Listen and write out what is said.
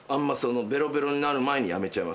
ベロベロになる前にやめちゃいます。